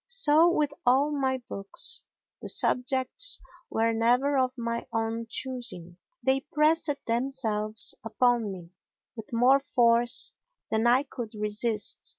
So with all my books—the subjects were never of my own choosing; they pressed themselves upon me with more force than I could resist.